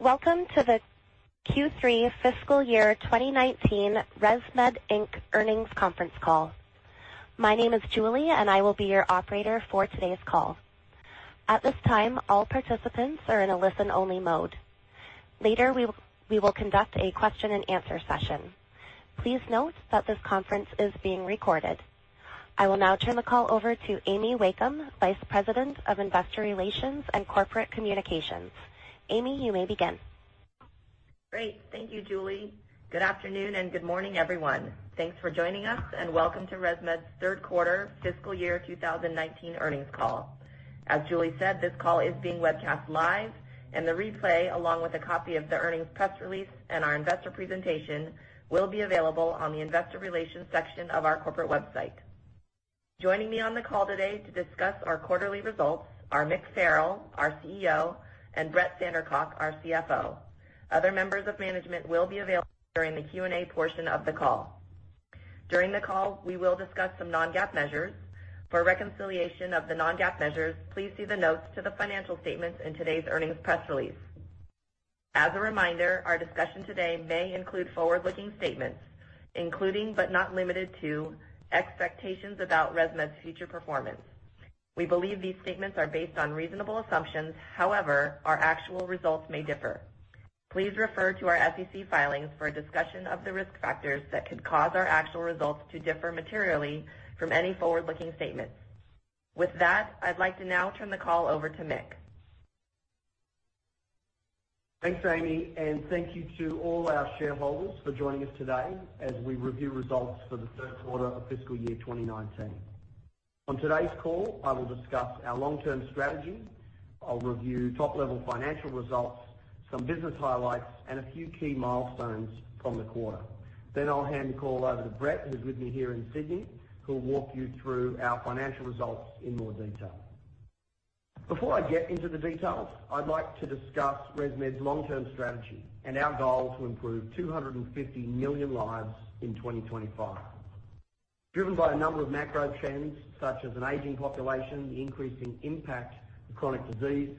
Welcome to the Q3 fiscal year 2019 ResMed Inc. earnings conference call. My name is Julie, and I will be your operator for today's call. At this time, all participants are in a listen-only mode. Later, we will conduct a question and answer session. Please note that this conference is being recorded. I will now turn the call over to Amy Wakeham, Vice President of Investor Relations and Corporate Communications. Amy, you may begin. Great. Thank you, Julie. Good afternoon, and good morning, everyone. Thanks for joining us, and welcome to ResMed's third quarter fiscal year 2019 earnings call. As Julie said, this call is being webcast live, and the replay, along with a copy of the earnings press release and our investor presentation, will be available on the investor relations section of our corporate website. Joining me on the call today to discuss our quarterly results are Mick Farrell, our CEO, and Brett Sandercock, our CFO. Other members of management will be available during the Q&A portion of the call. During the call, we will discuss some non-GAAP measures. For reconciliation of the non-GAAP measures, please see the notes to the financial statements in today's earnings press release. As a reminder, our discussion today may include forward-looking statements, including, but not limited to, expectations about ResMed's future performance. We believe these statements are based on reasonable assumptions. However, our actual results may differ. Please refer to our SEC filings for a discussion of the risk factors that could cause our actual results to differ materially from any forward-looking statements. With that, I'd like to now turn the call over to Mick. Thanks, Amy, and thank you to all our shareholders for joining us today as we review results for the third quarter of fiscal year 2019. On today's call, I will discuss our long-term strategy. I'll review top-level financial results, some business highlights, and a few key milestones from the quarter. I'll hand the call over to Brett, who's with me here in Sydney, who'll walk you through our financial results in more detail. Before I get into the details, I'd like to discuss ResMed's long-term strategy and our goal to improve 250 million lives in 2025. Driven by a number of macro trends such as an aging population, the increasing impact of chronic disease,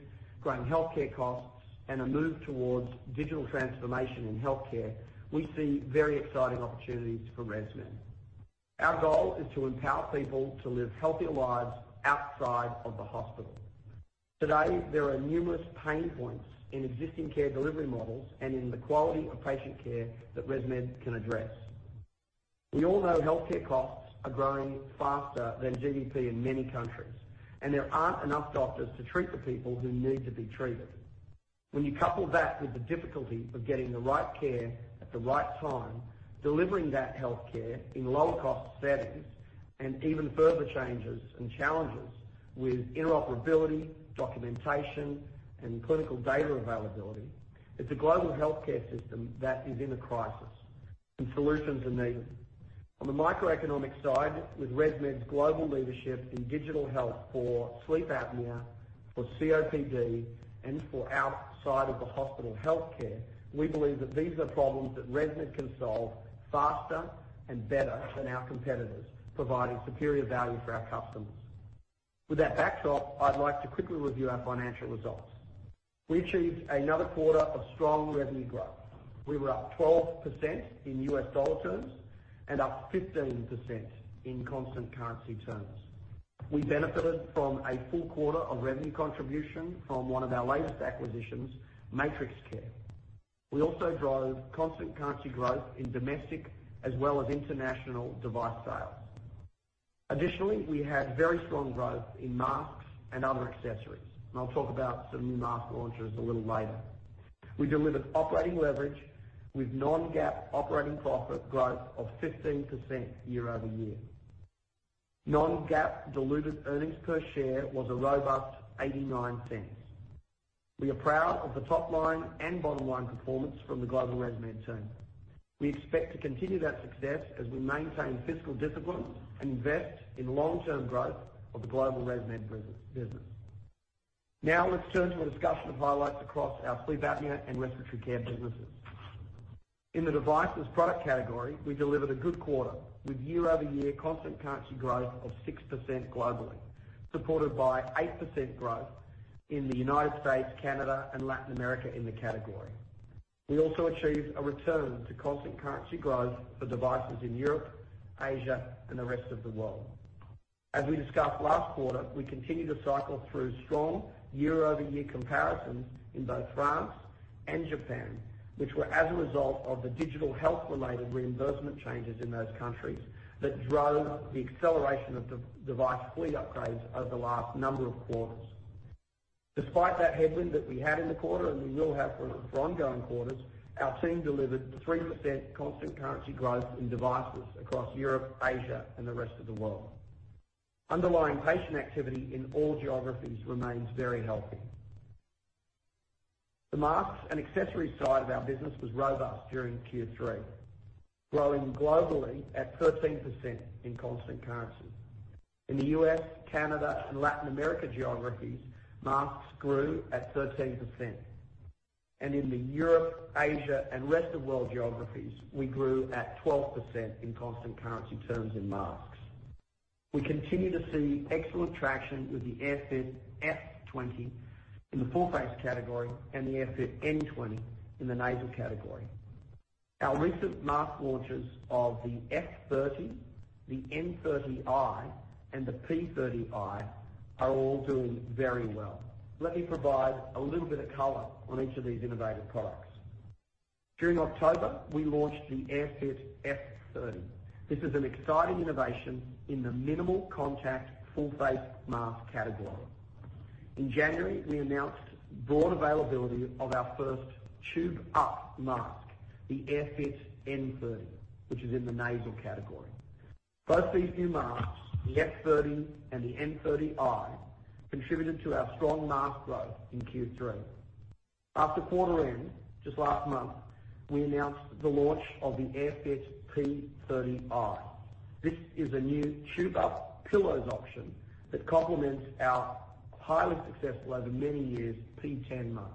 growing healthcare costs, and a move towards digital transformation in healthcare, we see very exciting opportunities for ResMed. Our goal is to empower people to live healthier lives outside of the hospital. Today, there are numerous pain points in existing care delivery models and in the quality of patient care that ResMed can address. We all know healthcare costs are growing faster than GDP in many countries, and there aren't enough doctors to treat the people who need to be treated. When you couple that with the difficulty of getting the right care at the right time, delivering that healthcare in low-cost settings, and even further changes and challenges with interoperability, documentation, and clinical data availability, it's a global healthcare system that is in a crisis, and solutions are needed. On the microeconomic side, with ResMed's global leadership in digital health for sleep apnea, for COPD, and for outside of the hospital healthcare, we believe that these are problems that ResMed can solve faster and better than our competitors, providing superior value for our customers. With that backdrop, I'd like to quickly review our financial results. We achieved another quarter of strong revenue growth. We were up 12% in US dollar terms and up 15% in constant currency terms. We benefited from a full quarter of revenue contribution from one of our latest acquisitions, MatrixCare. We also drove constant currency growth in domestic as well as international device sales. Additionally, we had very strong growth in masks and other accessories, and I'll talk about some new mask launches a little later. We delivered operating leverage with non-GAAP operating profit growth of 15% year-over-year. Non-GAAP diluted earnings per share was a robust $0.89. We are proud of the top-line and bottom-line performance from the global ResMed team. We expect to continue that success as we maintain fiscal discipline and invest in long-term growth of the global ResMed business. Let's turn to a discussion of highlights across our sleep apnea and respiratory care businesses. In the devices product category, we delivered a good quarter with year-over-year constant currency growth of 6% globally, supported by 8% growth in the U.S., Canada, and Latin America in the category. We also achieved a return to constant currency growth for devices in Europe, Asia, and the rest of the world. As we discussed last quarter, we continue to cycle through strong year-over-year comparisons in both France and Japan, which were as a result of the digital health-related reimbursement changes in those countries that drove the acceleration of device fleet upgrades over the last number of quarters. Despite that headwind that we had in the quarter and we will have for ongoing quarters, our team delivered 3% constant currency growth in devices across Europe, Asia, and the rest of the world. Underlying patient activity in all geographies remains very healthy. The masks and accessories side of our business was robust during Q3, growing globally at 13% in constant currency. In the U.S., Canada, and Latin America geographies, masks grew at 13%, and in the Europe, Asia, and rest of world geographies, we grew at 12% in constant currency terms in masks. We continue to see excellent traction with the AirFit F20 in the full-face category and the AirFit N20 in the nasal category. Our recent mask launches of the F30, the N30i, and the P30i are all doing very well. Let me provide a little bit of color on each of these innovative products. During October, we launched the AirFit F30. This is an exciting innovation in the minimal contact full face mask category. In January, we announced broad availability of our first tube-up mask, the AirFit N30i, which is in the nasal category. Both these new masks, the F30 and the N30i, contributed to our strong mask growth in Q3. After quarter end, just last month, we announced the launch of the AirFit P30i. This is a new tube up pillows option that complements our highly successful, over many years, P10 mask.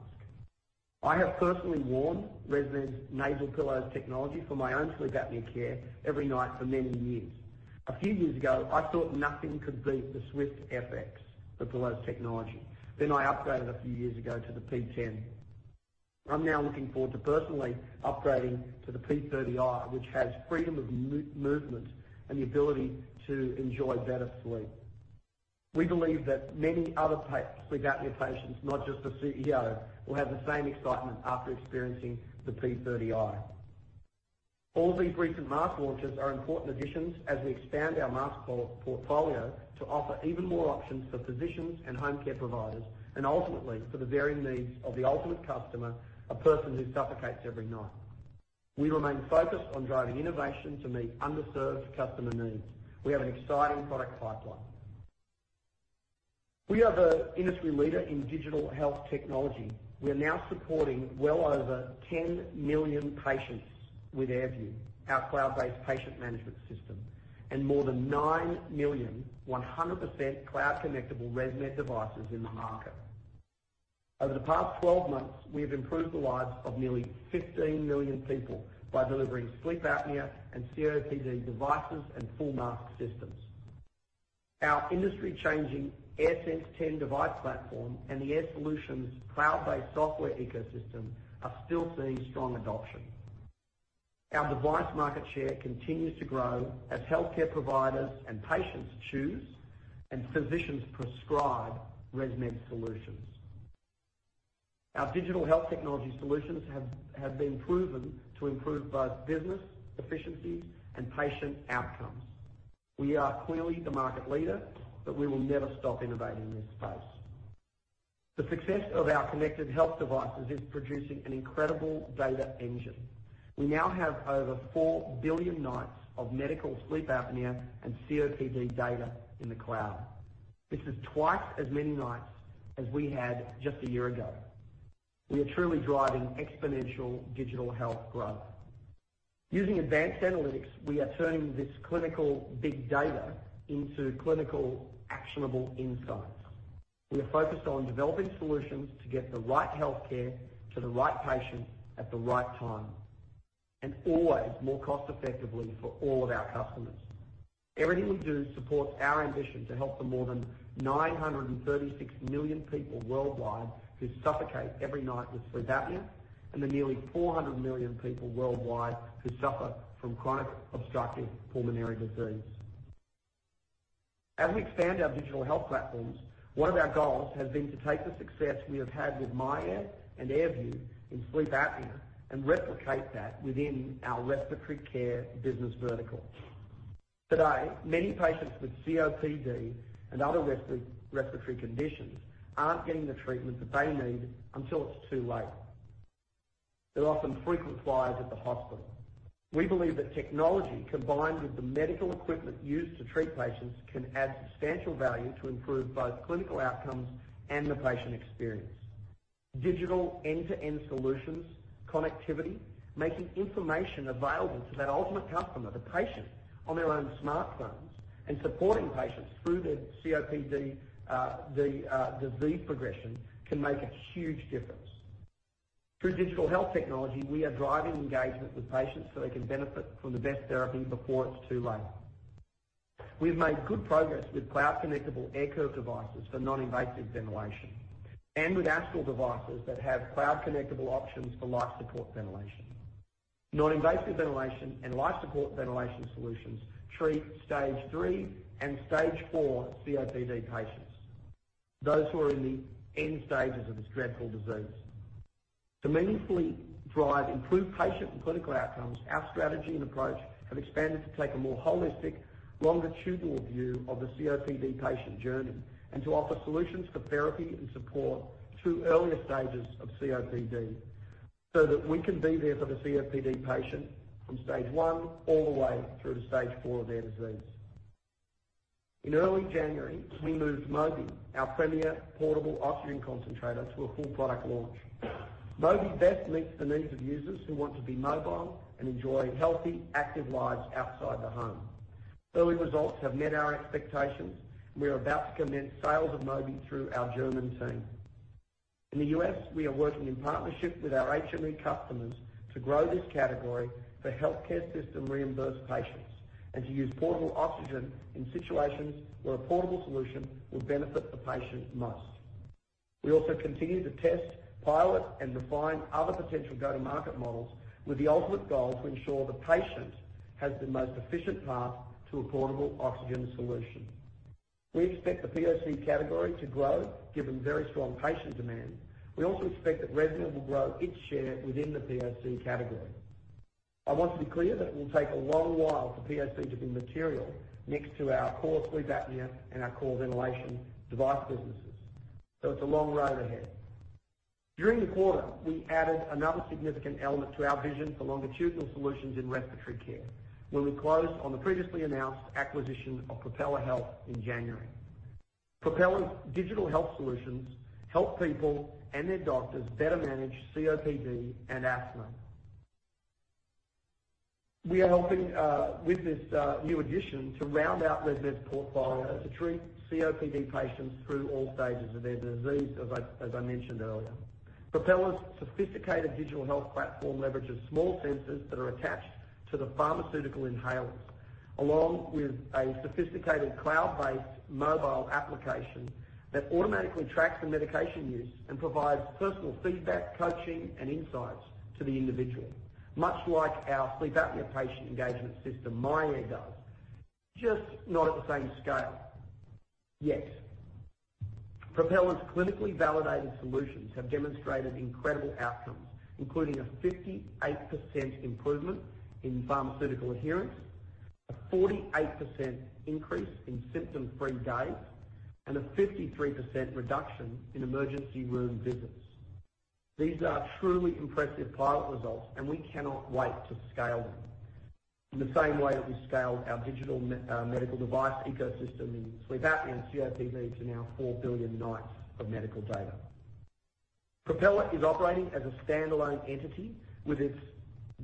I have personally worn ResMed's nasal pillows technology for my own sleep apnea care every night for many years. A few years ago, I thought nothing could beat the Swift FX, the pillows technology. I upgraded a few years ago to the P10. I'm now looking forward to personally upgrading to the P30i, which has freedom of movement and the ability to enjoy better sleep. We believe that many other sleep apnea patients, not just the CEO, will have the same excitement after experiencing the P30i. All these recent mask launches are important additions as we expand our mask portfolio to offer even more options for physicians and home care providers, and ultimately, for the varying needs of the ultimate customer, a person who suffocates every night. We remain focused on driving innovation to meet underserved customer needs. We have an exciting product pipeline. We are the industry leader in digital health technology. We are now supporting well over 10 million patients with AirView, our cloud-based patient management system, and more than nine million, 100% cloud-connectable ResMed devices in the market. Over the past 12 months, we have improved the lives of nearly 15 million people by delivering sleep apnea and COPD devices and full mask systems. Our industry-changing AirSense 10 device platform and the Air Solutions cloud-based software ecosystem are still seeing strong adoption. Our device market share continues to grow as healthcare providers and patients choose and physicians prescribe ResMed solutions. Our digital health technology solutions have been proven to improve both business efficiency and patient outcomes. We are clearly the market leader, we will never stop innovating in this space. The success of our connected health devices is producing an incredible data engine. We now have over four billion nights of medical sleep apnea and COPD data in the cloud. This is twice as many nights as we had just a year ago. We are truly driving exponential digital health growth. Using advanced analytics, we are turning this clinical big data into clinical actionable insights. We are focused on developing solutions to get the right healthcare to the right patient at the right time, always more cost effectively for all of our customers. Everything we do supports our ambition to help the more than 936 million people worldwide who suffocate every night with sleep apnea and the nearly 400 million people worldwide who suffer from chronic obstructive pulmonary disease. As we expand our digital health platforms, one of our goals has been to take the success we have had with myAir and AirView in sleep apnea and replicate that within our respiratory care business vertical. Today, many patients with COPD and other respiratory conditions aren't getting the treatment that they need until it's too late. They're often frequent flyers at the hospital. We believe that technology, combined with the medical equipment used to treat patients, can add substantial value to improve both clinical outcomes and the patient experience. Digital end-to-end solutions, connectivity, making information available to that ultimate customer, the patient, on their own smartphones, and supporting patients through their COPD disease progression can make a huge difference. Through digital health technology, we are driving engagement with patients so they can benefit from the best therapy before it's too late. We've made good progress with cloud-connectable AirCurve devices for non-invasive ventilation and with Astral devices that have cloud-connectable options for life support ventilation. Non-invasive ventilation and life support ventilation solutions treat stage III and stage IV COPD patients, those who are in the end stages of this dreadful disease. To meaningfully drive improved patient and clinical outcomes, our strategy and approach have expanded to take a more holistic, longitudinal view of the COPD patient journey and to offer solutions for therapy and support through earlier stages of COPD so that we can be there for the COPD patient from stage I all the way through to stage IV of their disease. In early January, we moved Mobi, our premier portable oxygen concentrator, to a full product launch. Mobi best meets the needs of users who want to be mobile and enjoy healthy, active lives outside the home. Early results have met our expectations. We are about to commence sales of Mobi through our German team. In the U.S., we are working in partnership with our HME customers to grow this category for healthcare system reimbursed patients and to use portable oxygen in situations where a portable solution would benefit the patient most. We also continue to test, pilot, and refine other potential go-to-market models with the ultimate goal to ensure the patient has the most efficient path to a portable oxygen solution. We expect the POC category to grow given very strong patient demand. We also expect that ResMed will grow its share within the POC category. I want to be clear that it will take a long while for POC to be material next to our core sleep apnea and our core ventilation device businesses. It's a long road ahead. During the quarter, we added another significant element to our vision for longitudinal solutions in respiratory care when we closed on the previously announced acquisition of Propeller Health in January. Propeller's digital health solutions help people and their doctors better manage COPD and asthma. We are helping, with this new addition, to round out ResMed's portfolio to treat COPD patients through all stages of their disease, as I mentioned earlier. Propeller's sophisticated digital health platform leverages small sensors that are attached to the pharmaceutical inhalers, along with a sophisticated cloud-based mobile application that automatically tracks the medication use and provides personal feedback, coaching, and insights to the individual, much like our sleep apnea patient engagement system, myAir does, just not at the same scale yet. Propeller's clinically validated solutions have demonstrated incredible outcomes, including a 58% improvement in pharmaceutical adherence, a 48% increase in symptom-free days, and a 53% reduction in emergency room visits. These are truly impressive pilot results. We cannot wait to scale them in the same way that we scaled our digital medical device ecosystem in sleep apnea and COPD to now 4 billion nights of medical data. Propeller is operating as a standalone entity with its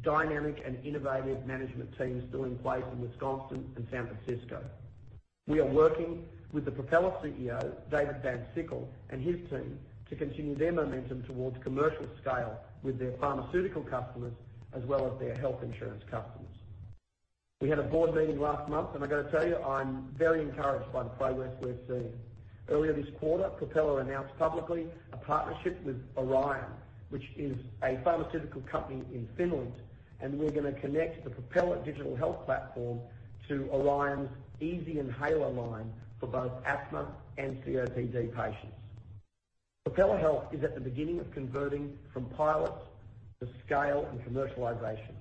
dynamic and innovative management team still in place in Wisconsin and San Francisco. We are working with the Propeller CEO, David Van Sickle, and his team to continue their momentum towards commercial scale with their pharmaceutical customers as well as their health insurance customers. We had a board meeting last month. I got to tell you, I'm very encouraged by the progress we're seeing. Earlier this quarter, Propeller announced publicly a partnership with Orion, which is a pharmaceutical company in Finland. We're going to connect the Propeller digital health platform to Orion's Easyhaler line for both asthma and COPD patients. Propeller Health is at the beginning of converting from pilot to scale and commercialization.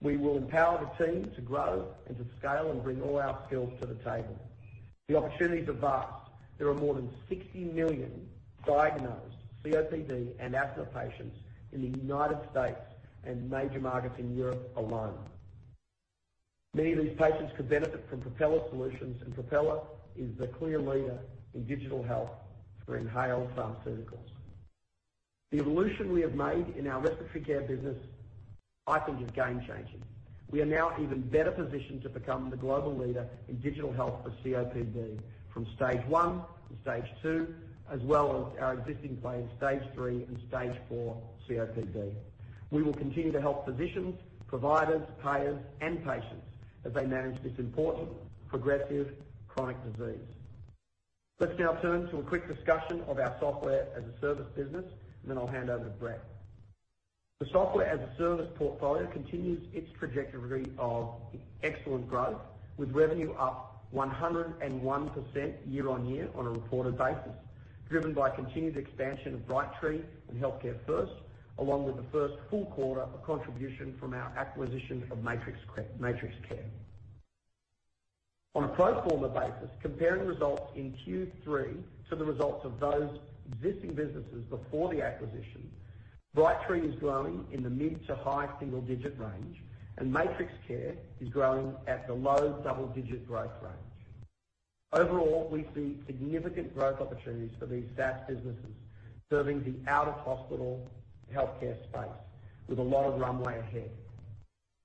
We will empower the team to grow and to scale and bring all our skills to the table. The opportunities are vast. There are more than 60 million diagnosed COPD and asthma patients in the U.S. and major markets in Europe alone. Many of these patients could benefit from Propeller's solutions. Propeller is the clear leader in digital health for inhaled pharmaceuticals. The evolution we have made in our respiratory care business, I think, is game changing. We are now even better positioned to become the global leader in digital health for COPD from stage 1 to stage 2, as well as our existing play in stage 3 and stage 4 COPD. We will continue to help physicians, providers, payers, and patients as they manage this important progressive chronic disease. Let's now turn to a quick discussion of our software as a service business. Then I'll hand over to Brett. The software as a service portfolio continues its trajectory of excellent growth with revenue up 101% year-over-year on a reported basis, driven by continued expansion of Brightree and HEALTHCAREfirst, along with the first full quarter of contribution from our acquisition of MatrixCare. On a pro forma basis, comparing results in Q3 to the results of those existing businesses before the acquisition, Brightree is growing in the mid to high single-digit range. MatrixCare is growing at the low double-digit growth range. Overall, we see significant growth opportunities for these SaaS businesses serving the out-of-hospital healthcare space with a lot of runway ahead.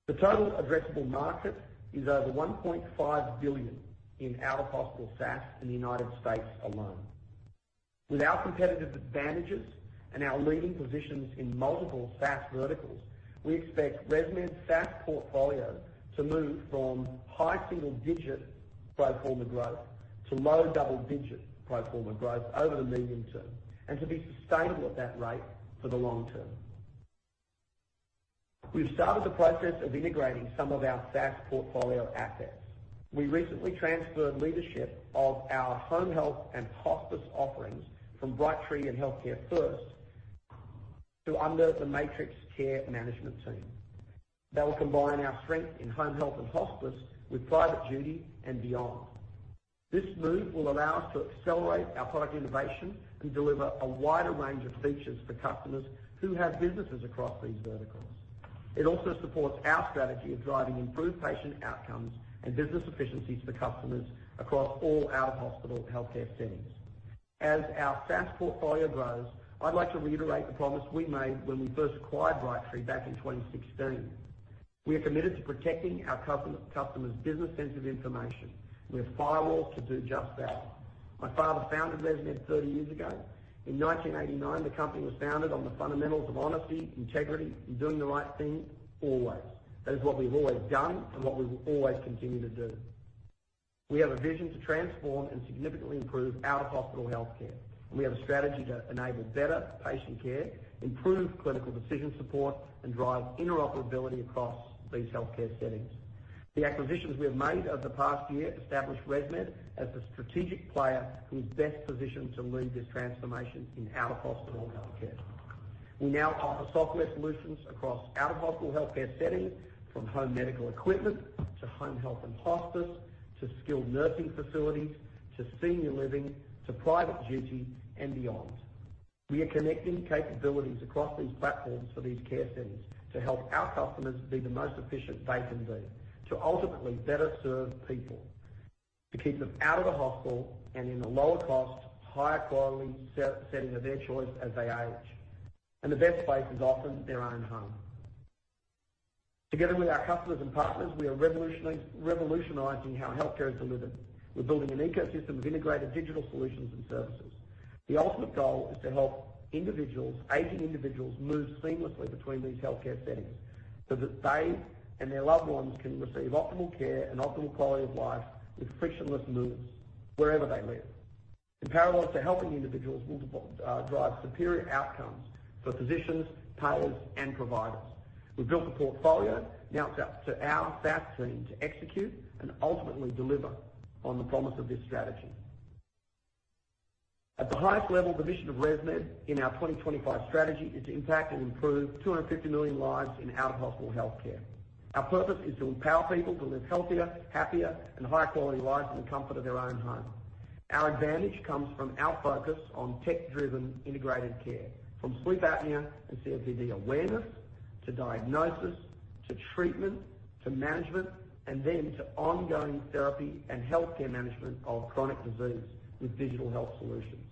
The total addressable market is over $1.5 billion in out-of-hospital SaaS in the U.S. alone. With our competitive advantages and our leading positions in multiple SaaS verticals, we expect ResMed's SaaS portfolio to move from high single-digit pro forma growth to low double-digit pro forma growth over the medium term and to be sustainable at that rate for the long term. We've started the process of integrating some of our SaaS portfolio assets. We recently transferred leadership of our home health and hospice offerings from Brightree and HEALTHCAREfirst to under the MatrixCare management team. That will combine our strength in home health and hospice with private duty and beyond. This move will allow us to accelerate our product innovation and deliver a wider range of features for customers who have businesses across these verticals. It also supports our strategy of driving improved patient outcomes and business efficiencies for customers across all out-of-hospital healthcare settings. As our SaaS portfolio grows, I'd like to reiterate the promise we made when we first acquired Brightree back in 2016. We are committed to protecting our customers' business sensitive information. We have firewalls to do just that. My father founded ResMed 30 years ago. In 1989, the company was founded on the fundamentals of honesty, integrity, and doing the right thing always. That is what we've always done and what we will always continue to do. We have a vision to transform and significantly improve out-of-hospital healthcare. We have a strategy to enable better patient care, improve clinical decision support, and drive interoperability across these healthcare settings. The acquisitions we have made over the past year establish ResMed as the strategic player who's best positioned to lead this transformation in out-of-hospital healthcare. We now offer software solutions across out-of-hospital healthcare settings, from home medical equipment to home health and hospice, to skilled nursing facilities, to senior living, to private duty, and beyond. We are connecting capabilities across these platforms for these care settings to help our customers be the most efficient they can be, to ultimately better serve people, to keep them out of the hospital and in a lower cost, higher quality setting of their choice as they age. The best place is often their own home. Together with our customers and partners, we are revolutionizing how healthcare is delivered. We're building an ecosystem of integrated digital solutions and services. The ultimate goal is to help aging individuals move seamlessly between these healthcare settings, so that they and their loved ones can receive optimal care and optimal quality of life with frictionless moves wherever they live. In parallel to helping individuals, we'll drive superior outcomes for physicians, payers, and providers. We've built the portfolio. Now it's up to our sales team to execute and ultimately deliver on the promise of this strategy. At the highest level, the mission of ResMed in our 2025 strategy is to impact and improve 250 million lives in out-of-hospital healthcare. Our purpose is to empower people to live healthier, happier, and high-quality lives in the comfort of their own home. Our advantage comes from our focus on tech-driven integrated care, from sleep apnea and COPD awareness, to diagnosis, to treatment, to management, and then to ongoing therapy and healthcare management of chronic disease with digital health solutions.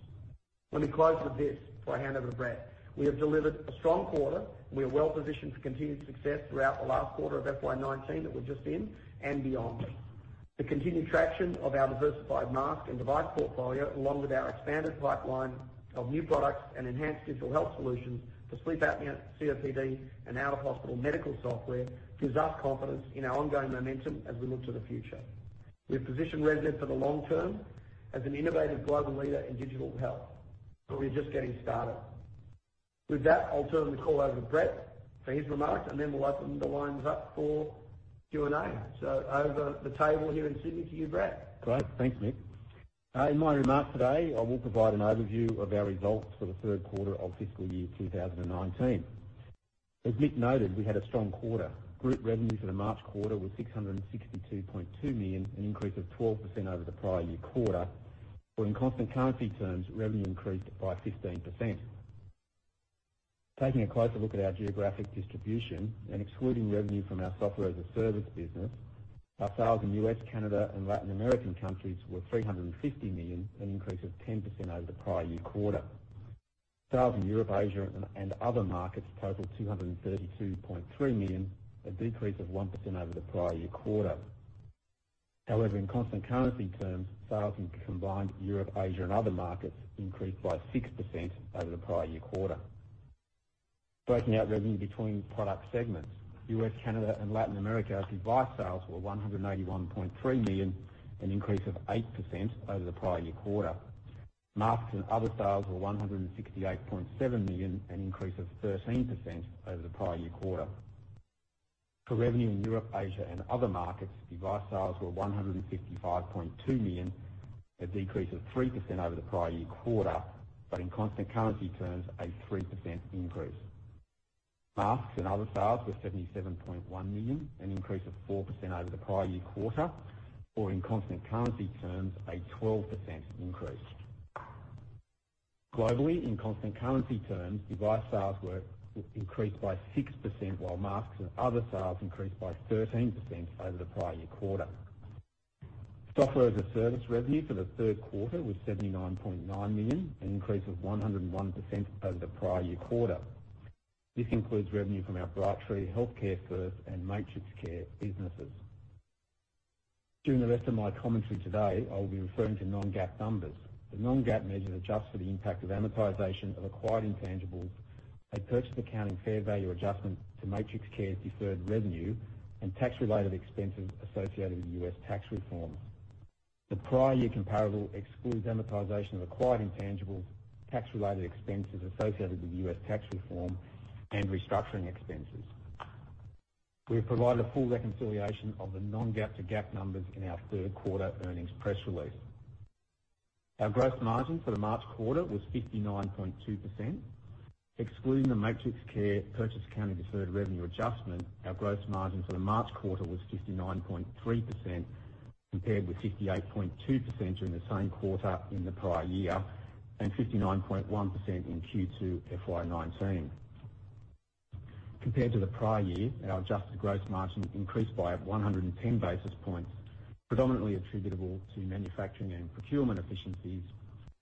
Let me close with this before I hand over to Brett. We have delivered a strong quarter. We are well-positioned for continued success throughout the last quarter of FY 2019 that we're just in and beyond. The continued traction of our diversified mask and device portfolio, along with our expanded pipeline of new products and enhanced digital health solutions for sleep apnea, COPD, and out-of-hospital medical software, gives us confidence in our ongoing momentum as we look to the future. We've positioned ResMed for the long term as an innovative global leader in digital health, but we're just getting started. With that, I'll turn the call over to Brett for his remarks, and then we'll open the lines up for Q&A. Over the table here in Sydney to you, Brett. Great. Thanks, Mick. In my remarks today, I will provide an overview of our results for the third quarter of fiscal year 2019. As Mick noted, we had a strong quarter. Group revenue for the March quarter was $662.2 million, an increase of 12% over the prior year quarter, or in constant currency terms, revenue increased by 15%. Taking a closer look at our geographic distribution and excluding revenue from our software as a service business, our sales in U.S., Canada, and Latin American countries were $350 million, an increase of 10% over the prior year quarter. Sales in Europe, Asia, and other markets totaled $232.3 million, a decrease of 1% over the prior year quarter. However, in constant currency terms, sales in combined Europe, Asia, and other markets increased by 6% over the prior year quarter. Breaking out revenue between product segments. U.S., Canada, and Latin America device sales were $181.3 million, an increase of 8% over the prior year quarter. Masks and other sales were $168.7 million, an increase of 13% over the prior year quarter. For revenue in Europe, Asia, and other markets, device sales were $155.2 million, a decrease of 3% over the prior year quarter, but in constant currency terms, a 3% increase. Masks and other sales were $77.1 million, an increase of 4% over the prior year quarter, or in constant currency terms, a 12% increase. Globally, in constant currency terms, device sales increased by 6%, while masks and other sales increased by 13% over the prior year quarter. Software as a service revenue for the third quarter was $79.9 million, an increase of 101% over the prior year quarter. This includes revenue from our Brightree healthcare service and MatrixCare businesses. During the rest of my commentary today, I'll be referring to non-GAAP numbers. The non-GAAP measures adjust for the impact of amortization of acquired intangibles, a purchase accounting fair value adjustment to MatrixCare's deferred revenue, and tax-related expenses associated with U.S. tax reform. The prior year comparable excludes amortization of acquired intangibles, tax-related expenses associated with U.S. tax reform, and restructuring expenses. We have provided a full reconciliation of the non-GAAP to GAAP numbers in our third quarter earnings press release. Our gross margin for the March quarter was 59.2%, excluding the MatrixCare purchase accounting deferred revenue adjustment. Our gross margin for the March quarter was 59.3%, compared with 58.2% during the same quarter in the prior year, and 59.1% in Q2 FY19. Compared to the prior year, our adjusted gross margin increased by 110 basis points. Predominantly attributable to manufacturing and procurement efficiencies,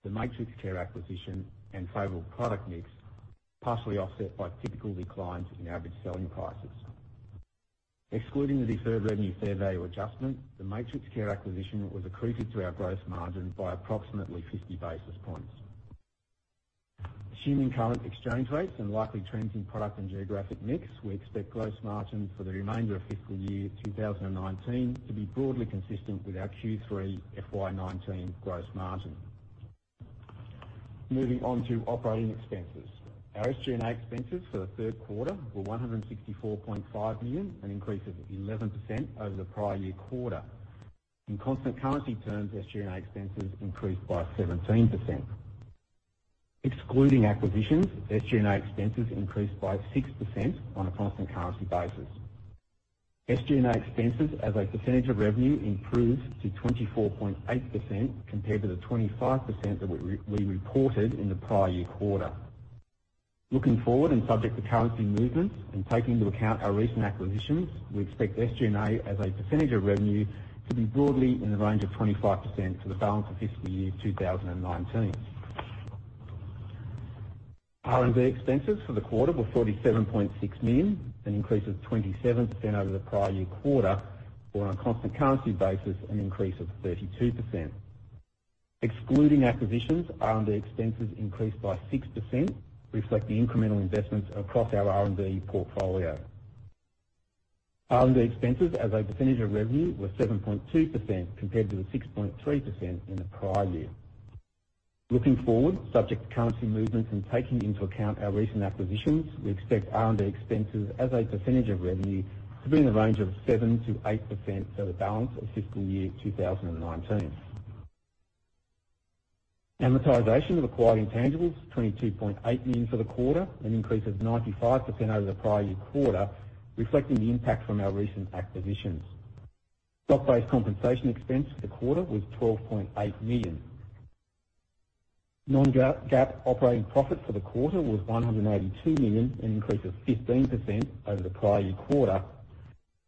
the MatrixCare acquisition, and favorable product mix, partially offset by typical declines in average selling prices. Excluding the deferred revenue fair value adjustment, the MatrixCare acquisition was accretive to our gross margin by approximately 50 basis points. Assuming current exchange rates and likely trends in product and geographic mix, we expect gross margin for the remainder of fiscal year 2019 to be broadly consistent with our Q3 FY 2019 gross margin. Moving on to operating expenses. Our SG&A expenses for the third quarter were $164.5 million, an increase of 11% over the prior year quarter. In constant currency terms, SG&A expenses increased by 17%. Excluding acquisitions, SG&A expenses increased by 6% on a constant currency basis. SG&A expenses as a percentage of revenue improved to 24.8% compared to the 25% that we reported in the prior year quarter. Looking forward, subject to currency movements and taking into account our recent acquisitions, we expect SG&A as a percentage of revenue to be broadly in the range of 25% for the balance of fiscal year 2019. R&D expenses for the quarter were $47.6 million, an increase of 27% over the prior year quarter, or on a constant currency basis, an increase of 32%. Excluding acquisitions, R&D expenses increased by 6%, reflecting incremental investments across our R&D portfolio. R&D expenses as a percentage of revenue were 7.2% compared to the 6.3% in the prior year. Looking forward, subject to currency movements and taking into account our recent acquisitions, we expect R&D expenses as a percentage of revenue to be in the range of 7%-8% for the balance of fiscal year 2019. Amortization of acquired intangibles, $22.8 million for the quarter, an increase of 95% over the prior year quarter, reflecting the impact from our recent acquisitions. Stock-based compensation expense for the quarter was $12.8 million. Non-GAAP operating profit for the quarter was $182 million, an increase of 15% over the prior year quarter,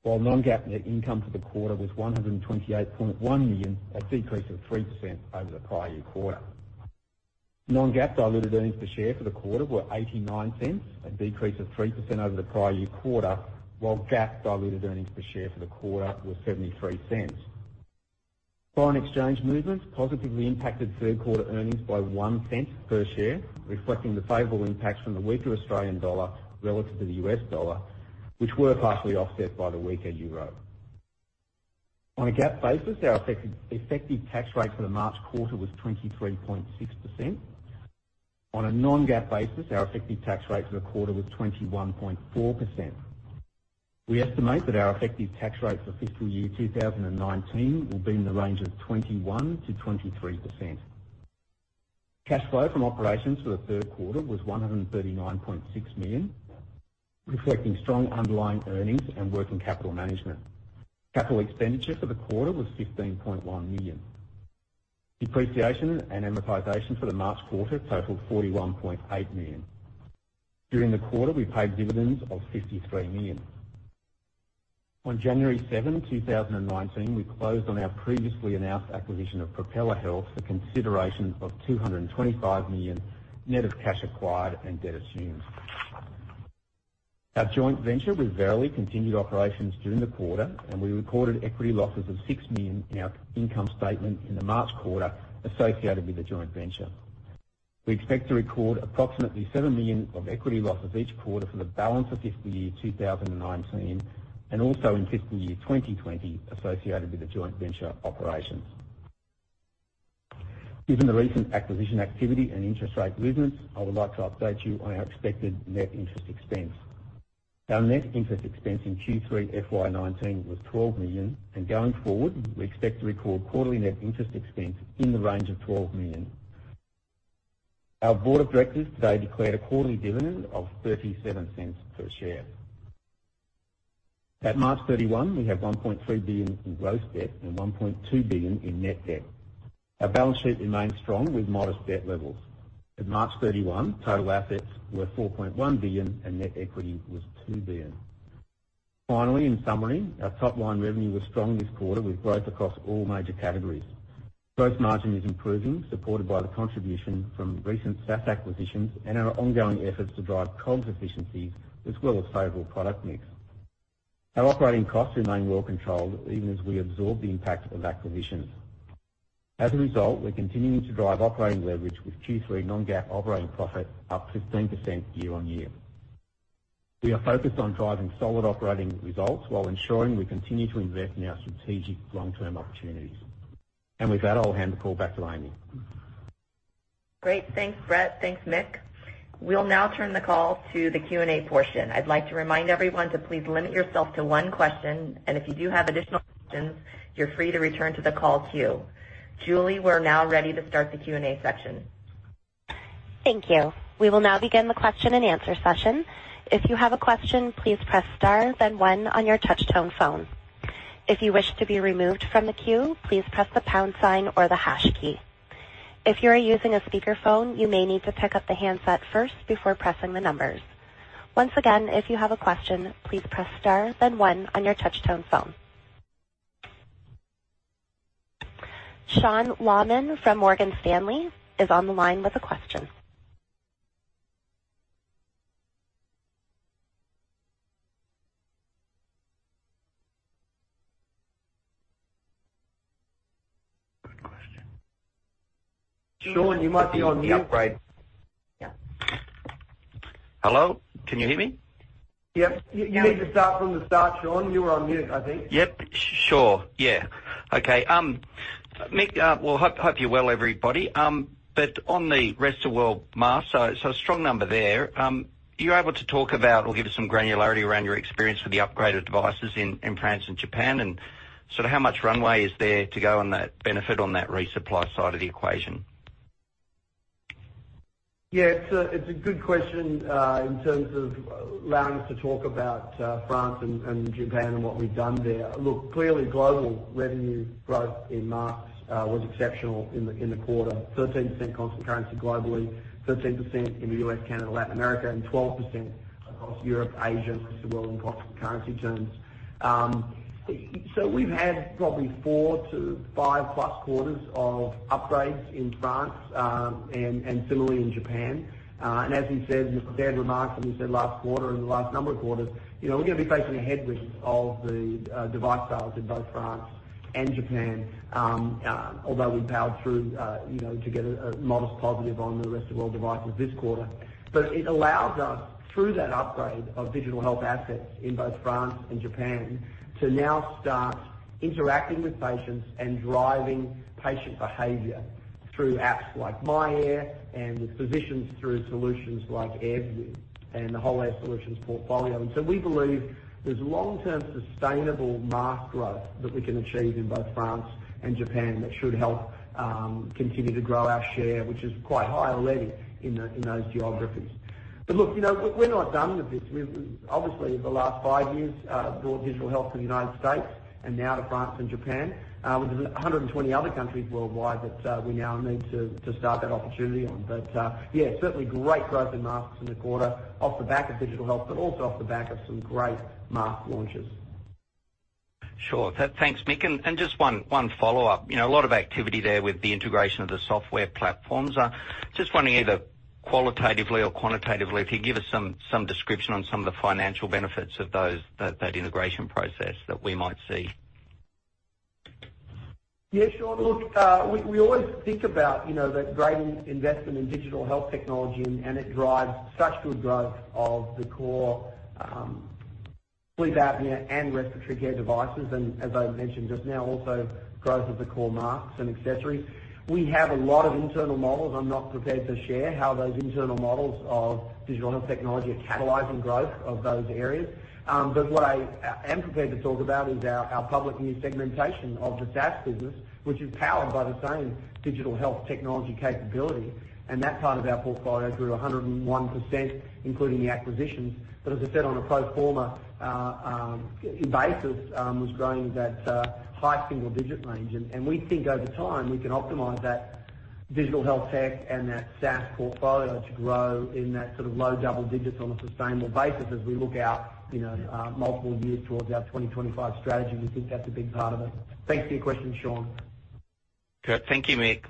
while non-GAAP net income for the quarter was $128.1 million, a decrease of 3% over the prior year quarter. Non-GAAP diluted earnings per share for the quarter were $0.89, a decrease of 3% over the prior year quarter, while GAAP diluted earnings per share for the quarter were $0.73. Foreign exchange movements positively impacted third-quarter earnings by $0.01 per share, reflecting the favorable impacts from the weaker Australian dollar relative to the US dollar, which were partially offset by the weaker euro. On a GAAP basis, our effective tax rate for the March quarter was 23.6%. On a non-GAAP basis, our effective tax rate for the quarter was 21.4%. We estimate that our effective tax rate for fiscal year 2019 will be in the range of 21%-23%. Cash flow from operations for the third quarter was $139.6 million, reflecting strong underlying earnings and working capital management. Capital expenditure for the quarter was $15.1 million. Depreciation and amortization for the March quarter totaled $41.8 million. During the quarter, we paid dividends of $53 million. On January seventh, 2019, we closed on our previously announced acquisition of Propeller Health for consideration of $225 million, net of cash acquired and debt assumed. Our joint venture with Verily continued operations during the quarter. We recorded equity losses of $6 million in our income statement in the March quarter associated with the joint venture. We expect to record approximately $7 million of equity losses each quarter for the balance of fiscal year 2019, and also in fiscal year 2020 associated with the joint venture operations. Given the recent acquisition activity and interest rate movements, I would like to update you on our expected net interest expense. Our net interest expense in Q3 FY 2019 was $12 million. Going forward, we expect to record quarterly net interest expense in the range of $12 million. Our board of directors today declared a quarterly dividend of $0.37 per share. At March 31, we have $1.3 billion in gross debt and $1.2 billion in net debt. Our balance sheet remains strong with modest debt levels. At March 31, total assets were $4.1 billion and net equity was $2 billion. In summary, our top-line revenue was strong this quarter with growth across all major categories. Gross margin is improving, supported by the contribution from recent SaaS acquisitions and our ongoing efforts to drive COGS efficiency as well as favorable product mix. Our operating costs remain well controlled even as we absorb the impact of acquisitions. As a result, we're continuing to drive operating leverage with Q3 non-GAAP operating profit up 15% year-on-year. We are focused on driving solid operating results while ensuring we continue to invest in our strategic long-term opportunities. With that, I'll hand the call back to Amy. Great. Thanks, Brett. Thanks, Mick. We'll now turn the call to the Q&A portion. I'd like to remind everyone to please limit yourself to one question. If you do have additional questions, you're free to return to the call queue. Julie, we're now ready to start the Q&A section. Thank you. We will now begin the question and answer session. If you have a question, please press star then one on your touch tone phone. If you wish to be removed from the queue, please press the pound sign or the hash key. If you are using a speakerphone, you may need to pick up the handset first before pressing the numbers. Once again, if you have a question, please press star then one on your touch-tone phone. Sean Laaman from Morgan Stanley is on the line with a question. Good question. Sean, you might be on mute. The upgrade. Yeah. Hello, can you hear me? Yep. You need to start from the start, Sean. You were on mute, I think. Yep. Sure. Yeah. Okay. Mick, well, hope you're well, everybody. On the Rest of World mask, a strong number there. You're able to talk about or give us some granularity around your experience with the upgraded devices in France and Japan, and sort of how much runway is there to go on that benefit on that resupply side of the equation? Yeah, it's a good question, in terms of allowing us to talk about France and Japan and what we've done there. Look, clearly, global revenue growth in masks was exceptional in the quarter, 13% constant currency globally, 13% in the U.S., Canada, Latin America, and 12% across Europe, Asia, and Rest of World in constant currency terms. We've had probably 4 to 5 plus quarters of upgrades in France, and similarly in Japan. As we said in the prepared remarks, and we said last quarter and the last number of quarters, we're going to be facing a headwind of the device sales in both France and Japan. Although we powered through, to get a modest positive on the Rest of World devices this quarter. It allows us, through that upgrade of digital health assets in both France and Japan, to now start interacting with patients and driving patient behavior through apps like myAir and with physicians through solutions like AirView and the whole Air Solutions portfolio. We believe there's long-term sustainable mask growth that we can achieve in both France and Japan that should help continue to grow our share, which is quite high already in those geographies. Look, we're not done with this. Obviously, the last five years, brought digital health to the U.S. and now to France and Japan, with 120 other countries worldwide that we now need to start that opportunity on. Yeah, certainly great growth in masks in the quarter off the back of digital health, but also off the back of some great mask launches. Sure. Thanks, Mick. Just one follow-up. A lot of activity there with the integration of the software platforms. Just wondering either qualitatively or quantitatively, if you could give us some description on some of the financial benefits of that integration process that we might see. Yeah, sure. Look, we always think about the great investment in digital health technology, and it drives such good growth of the core sleep apnea and respiratory care devices, and as I mentioned just now, also growth of the core masks and accessories. We have a lot of internal models. I'm not prepared to share how those internal models of digital health technology are catalyzing growth of those areas. What I am prepared to talk about is our public new segmentation of the SaaS business, which is powered by the same digital health technology capability, and that part of our portfolio grew 101%, including the acquisitions. As I said, on a pro forma basis, was growing that high single-digit range. We think over time, we can optimize that digital health tech and that SaaS portfolio to grow in that sort of low double digits on a sustainable basis as we look out, multiple years towards our 2025 strategy. We think that's a big part of it. Thanks for your question, Sean. Good. Thank you, Mick.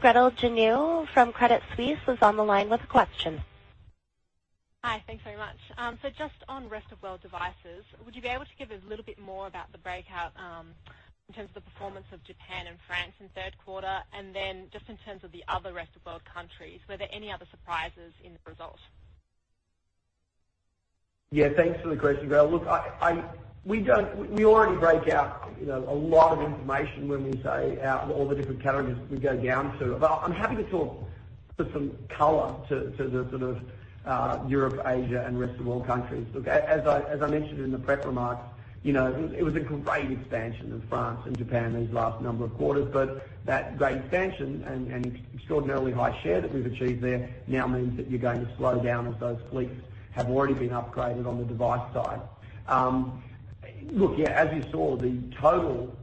Gretel Janu from Credit Suisse was on the line with a question. Hi. Thanks very much. Just on rest of world devices, would you be able to give a little bit more about the breakout, in terms of the performance of Japan and France in third quarter? Just in terms of the other rest of world countries, were there any other surprises in the results? Yeah. Thanks for the question, Gretel. Look, we already break out a lot of information when we say all the different categories we go down to. I'm happy to sort of put some color to the sort of Europe, Asia, and rest of world countries. Look, as I mentioned in the prep remarks, it was a great expansion in France and Japan these last number of quarters. That great expansion and extraordinarily high share that we've achieved there now means that you're going to slow down as those fleets have already been upgraded on the device side. Look, yeah, as you saw, the total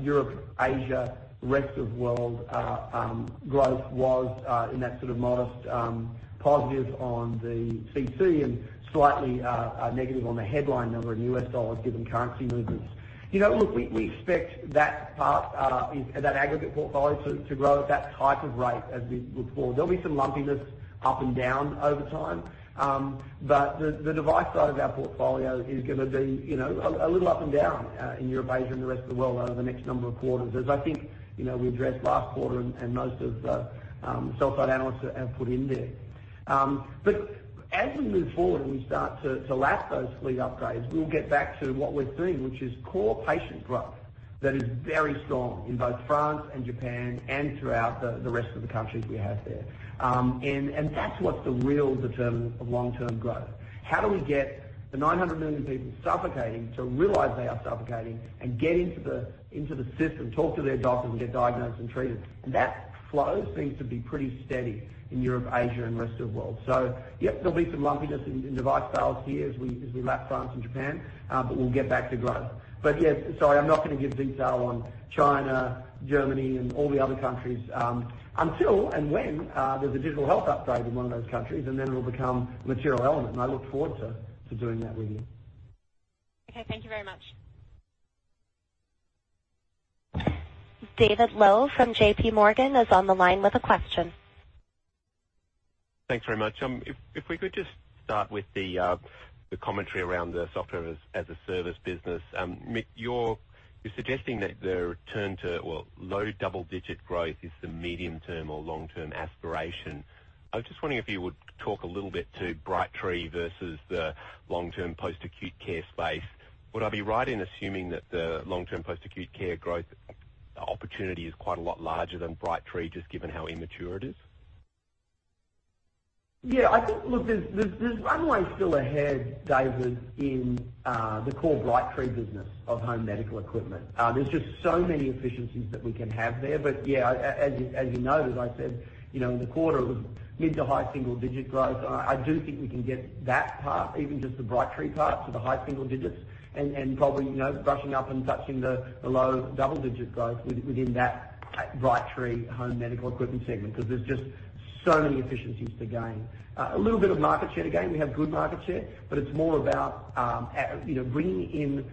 Europe, Asia, rest of world growth was in that sort of modest, positive on the CC and slightly negative on the headline number in USD given currency movements. We expect that aggregate portfolio to grow at that type of rate as we move forward. There'll be some lumpiness up and down over time. The device side of our portfolio is going to be a little up and down in Europe, Asia, and the rest of the world over the next number of quarters as I think we addressed last quarter and most of the sell-side analysts have put in there. As we move forward and we start to lap those fleet upgrades, we'll get back to what we're doing, which is core patient growth that is very strong in both France and Japan and throughout the rest of the countries we have there. That's what's the real determinant of long-term growth. How do we get the 900 million people suffocating to realize they are suffocating and get into the system, talk to their doctors, and get diagnosed and treated? That flow seems to be pretty steady in Europe, Asia, and rest of world. Yep, there'll be some lumpiness in device sales here as we lap France and Japan. We'll get back to growth. Yeah, sorry, I'm not going to give detail on China, Germany, and all the other countries until and when there's a digital health upgrade in one of those countries, and then it'll become a material element, and I look forward to doing that with you. Okay. Thank you very much. David Low from JPMorgan is on the line with a question. Thanks very much. If we could just start with the commentary around the Software as a Service business. Mick, you're suggesting that the return to low double-digit growth is the medium-term or long-term aspiration. I was just wondering if you would talk a little bit to Brightree versus the long-term post-acute care space. Would I be right in assuming that the long-term post-acute care growth opportunity is quite a lot larger than Brightree, just given how immature it is? Yeah, I think there's runway still ahead, David, in the core Brightree business of home medical equipment. There's just so many efficiencies that we can have there. Yeah, as you noted, I said, in the quarter it was mid-to-high single-digit growth. I do think we can get that part, even just the Brightree part, to the high single digits and probably brushing up and touching the low double-digit growth within that Brightree home medical equipment segment, because there's just so many efficiencies to gain. A little bit of market share to gain. We have good market share, but it's more about bringing in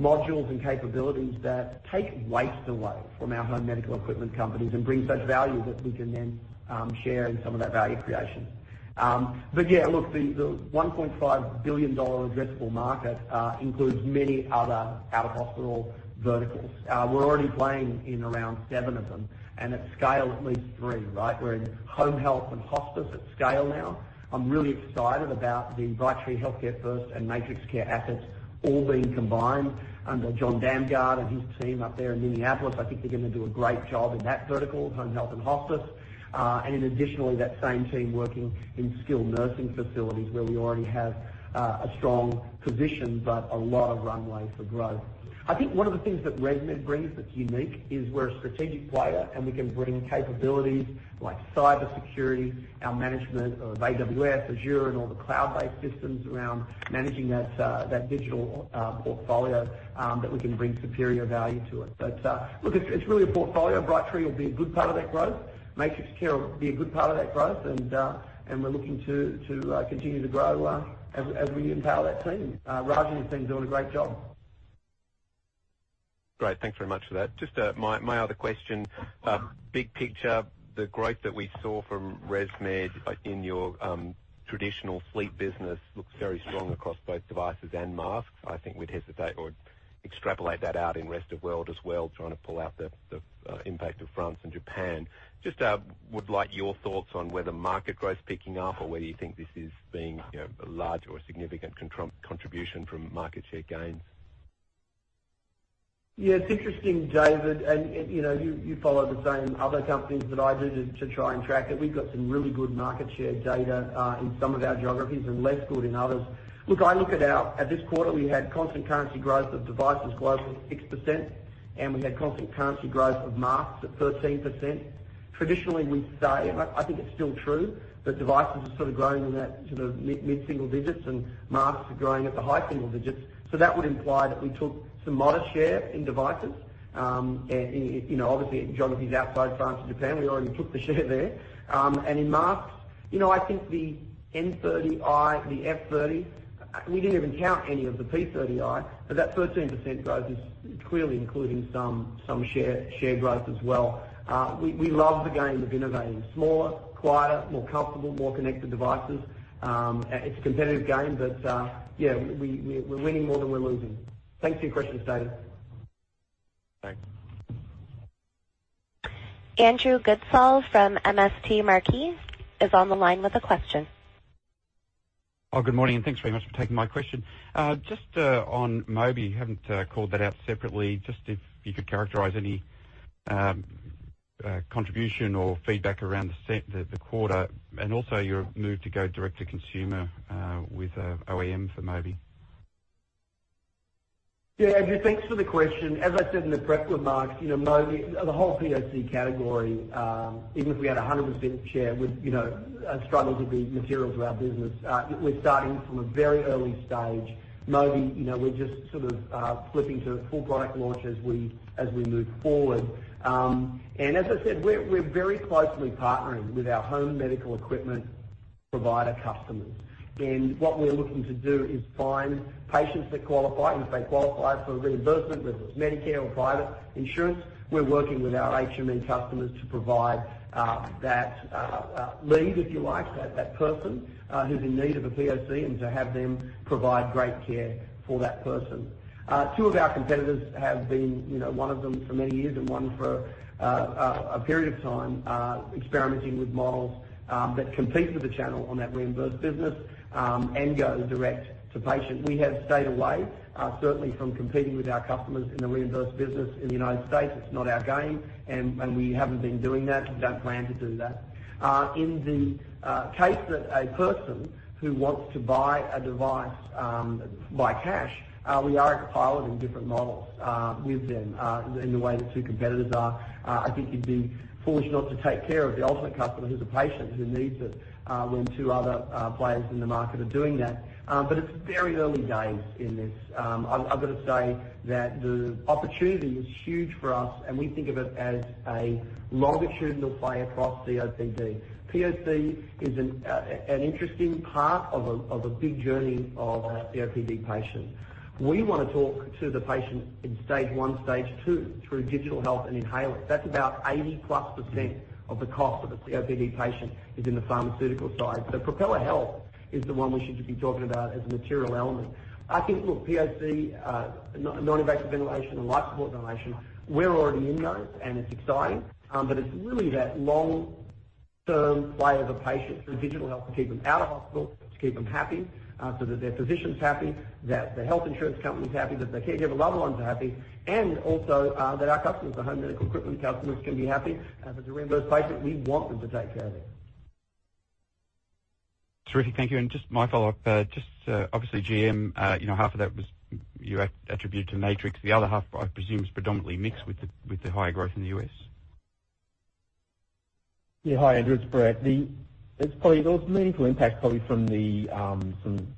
modules and capabilities that take waste away from our home medical equipment companies and bring such value that we can then share in some of that value creation. Yeah, look, the $1.5 billion addressable market includes many other out-of-hospital verticals. We're already playing in around seven of them and at scale, at least three. We're in home health and hospice at scale now. I'm really excited about the Brightree HEALTHCAREfirst and MatrixCare assets all being combined under John Damgaard and his team up there in Minneapolis. I think they're going to do a great job in that vertical of home health and hospice. Additionally, that same team working in skilled nursing facilities where we already have a strong position, but a lot of runway for growth. I think one of the things that ResMed brings that's unique is we're a strategic player, and we can bring capabilities like cybersecurity, our management of AWS, Azure, and all the cloud-based systems around managing that digital portfolio that we can bring superior value to it. Look, it's really a portfolio. Brightree will be a good part of that growth. MatrixCare will be a good part of that growth, and we're looking to continue to grow as we empower that team. Raj and the team are doing a great job. Great. Thanks very much for that. Just my other question. Big picture, the growth that we saw from ResMed in your traditional fleet business looks very strong across both devices and masks. I think we'd hesitate or extrapolate that out in rest of world as well, trying to pull out the impact of France and Japan. Just would like your thoughts on whether market growth is picking up or whether you think this is being a large or a significant contribution from market share gains. Yeah, it's interesting, David, you follow the same other companies that I do to try and track it. We've got some really good market share data in some of our geographies and less good in others. Look, I look at this quarter, we had constant currency growth of devices globally, 6%, and we had constant currency growth of masks at 13%. Traditionally, we say, and I think it's still true, that devices are sort of growing in that mid-single digits and masks are growing at the high single digits. That would imply that we took some modest share in devices. Obviously, geographies outside France and Japan, we already took the share there. In masks, I think the N30i, the F30, we didn't even count any of the P30i, but that 13% growth is clearly including some share growth as well. We love the game of innovating. Smaller, quieter, more comfortable, more connected devices. It's a competitive game, but yeah, we're winning more than we're losing. Thanks for your questions, David. Thanks. Andrew Goodsall from MST Marquee is on the line with a question. Good morning, and thanks very much for taking my question. Just on Mobi, you haven't called that out separately, just if you could characterize any contribution or feedback around the quarter, and also your move to go direct to consumer with OEM for Mobi. Yeah, Andrew, thanks for the question. As I said in the prep remarks, Mobi, the whole POC category, even if we had 100% share would struggle to be material to our business. We're starting from a very early stage. Mobi, we're just sort of flipping to full product launch as we move forward. As I said, we're very closely partnering with our home medical equipment provider customers. What we're looking to do is find patients that qualify, if they qualify for reimbursement, whether it's Medicare or private insurance. We're working with our HME customers to provide that lead, if you like, that person who's in need of a POC and to have them provide great care for that person. Two of our competitors have been, one of them for many years and one for a period of time, experimenting with models that compete with the channel on that reimbursed business and go direct to patient. We have stayed away, certainly from competing with our customers in the reimbursed business in the U.S. It's not our game, we haven't been doing that. We don't plan to do that. In the case that a person who wants to buy a device by cash, we are piloting different models with them in the way the two competitors are. I think you'd be foolish not to take care of the ultimate customer, who's a patient who needs it, when two other players in the market are doing that. It's very early days in this. I've got to say that the opportunity is huge for us, and we think of it as a longitudinal play across COPD. POC is an interesting part of a big journey of a COPD patient. We want to talk to the patient in stage 1, stage 2, through digital health and inhalers. That's about 80-plus% of the cost of a COPD patient is in the pharmaceutical side. Propeller Health is the one we should be talking about as a material element. I think, look, POC, non-invasive ventilation and life support ventilation, we're already in those, and it's exciting. It's really that long-term players are patients through digital health to keep them out of hospital, to keep them happy, so that their physician's happy, that the health insurance company's happy, that the caregiver loved ones are happy, and also that our customers, our home medical equipment customers, can be happy to remain those patients. We want them to take care of them. Terrific. Thank you. Just my follow-up, just obviously GM, half of that was you attributed to Matrix. The other half, I presume, is predominantly mixed with the higher growth in the U.S. Yeah. Hi, Andrew, it's Brett. There was a meaningful impact probably from the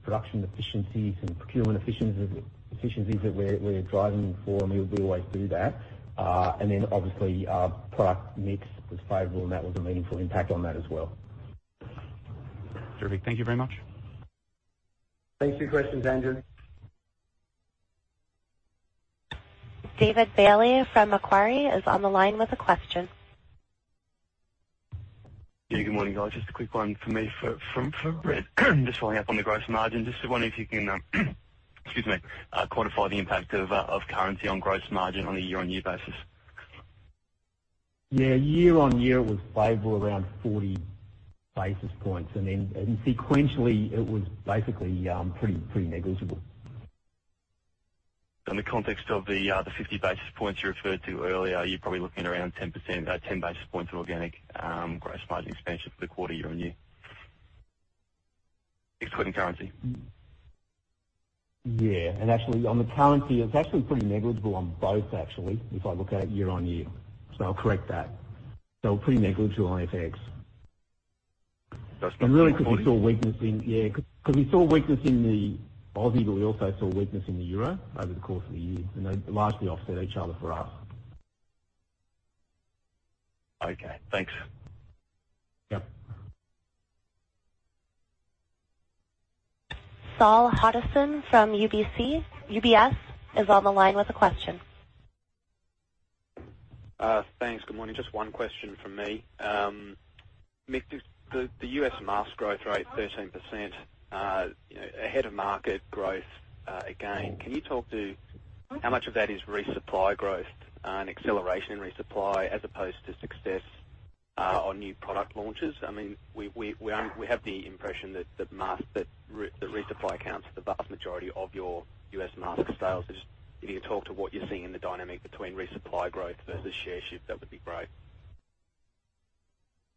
production efficiencies and procurement efficiencies that we're driving for, and we always do that. Then obviously, product mix was favorable, and that was a meaningful impact on that as well. Terrific. Thank you very much. Thanks for your questions, Andrew. David Bailey from Macquarie is on the line with a question. Yeah, good morning, guys. Just a quick one for me for Brett. Just following up on the gross margin, just wondering if you can, excuse me, quantify the impact of currency on gross margin on a year-on-year basis. Yeah. Year-on-year, it was favorable around 40 basis points. Sequentially, it was basically pretty negligible. In the context of the 50 basis points you referred to earlier, you're probably looking around 10 basis points of organic gross margin expansion for the quarter year-on-year excluding currency. Yeah. Actually, on the currency, it's actually pretty negligible on both actually, if I look at it year-on-year. I'll correct that. Pretty negligible on FX. That's good. Really because we saw weakness in the Aussie, but we also saw weakness in the EUR over the course of the year, they largely offset each other for us. Okay, thanks. Yep. Saul Hadassin from UBS is on the line with a question. Thanks. Good morning. Just one question from me. Mick, the U.S. mask growth rate 13%, ahead of market growth again. Can you talk to how much of that is resupply growth and acceleration in resupply as opposed to success on new product launches? We have the impression that resupply accounts for the vast majority of your U.S. mask sales. If you could talk to what you're seeing in the dynamic between resupply growth versus share shift, that would be great.